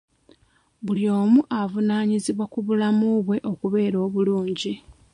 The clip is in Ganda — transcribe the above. Buli omu avunaanyizibwa ku bulamu bwe okubeera obulungi.